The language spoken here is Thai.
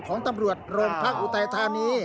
ของตำรวจโรงพักอุทัยธานี